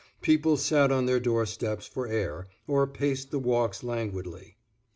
People sat on their door steps for air, or paced the walks languidly.